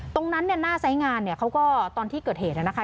ตรงนั้นหน้าสายงานเขาก็ตอนที่เกิดเหตุนะคะ